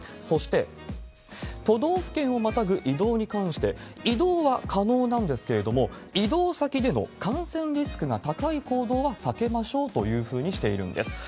そして、都道府県をまたぐ移動に関して、移動は可能なんですけれども、移動先での感染リスクが高い行動は避けましょうというふうにしているんです。